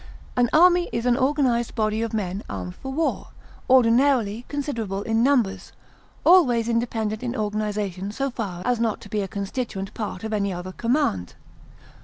An army is an organized body of men armed for war, ordinarily considerable in numbers, always independent in organization so far as not to be a constituent part of any other command.